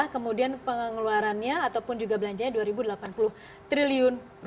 kemudian pengeluarannya ataupun juga belanjanya rp dua delapan puluh triliun